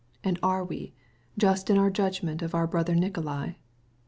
And are we fair in our judgment of brother Nikolay?